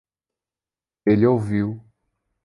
Ele ouviu